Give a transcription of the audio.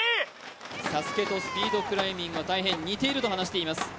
ＳＡＳＵＫＥとスピードクライミングは大変似ていると話しています。